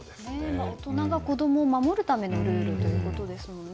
大人が子どもを守るためのルールということですもんね。